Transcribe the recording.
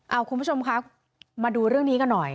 เอาคุณผู้ชมคะมาดูเรื่องนี้กันหน่อย